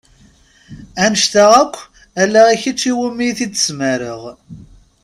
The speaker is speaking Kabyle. Annect-a akk ala i kečč iwumi i t-id-smareɣ.